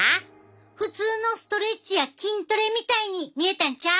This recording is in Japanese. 普通のストレッチや筋トレみたいに見えたんちゃう？